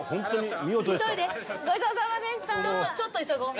ちょっと急ごう。